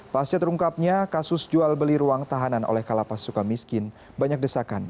pasca terungkapnya kasus jual beli ruang tahanan oleh kalapas suka miskin banyak desakan